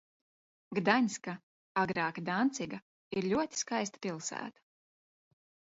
Gdaņska, agrāka Danciga, ir ļoti skaista pilsēta.